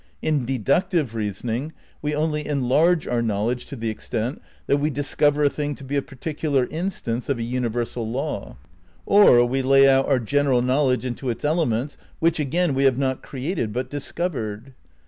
In de ductive reasoning we only enlarge our knowledge to the extent that we discover a thing to be a particular instance of a universal law ; or we lay out our general knowledge into its elements which, again, we have not created but discovered.